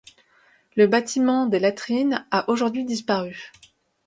Le bâtiment des latrines a aujourd'hui disparu.